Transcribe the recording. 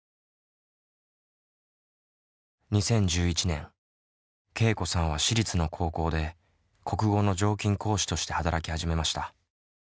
２０１１年けいこさんは私立の高校で国語の常勤講師として働き始めました。